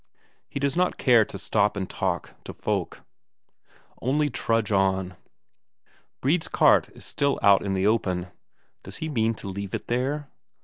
He does not care to stop and talk to folk, only trudge on. Brede's cart is still out in the open does he mean to leave it there?